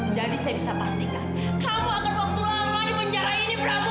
jadi saya bisa pastikan kamu akan waktu lama di penjara ini prabu